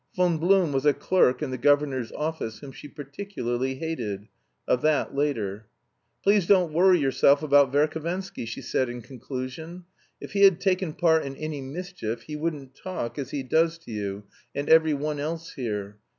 Von Blum was a clerk in the governor's office whom she particularly hated. Of that later. "Please don't worry yourself about Verhovensky," she said in conclusion. "If he had taken part in any mischief he wouldn't talk as he does to you, and every one else here.